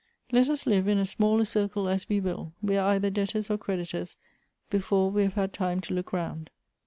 " Let us live in as small a circle as we will, we are either debtors or creditors before we have had time to look round."